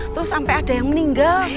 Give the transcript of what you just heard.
terus sampai ada yang meninggal